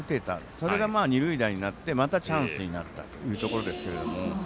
それが、また二塁打になってまたチャンスになったということですが。